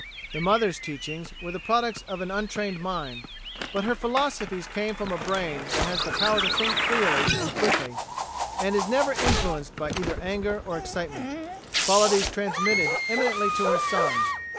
The mother's teachings were the products of an untrained mind, but her philosophies came from a brain that has the power to think clearly and quickly and is never influenced by either anger or excitement qualities transmitted eminently to her son.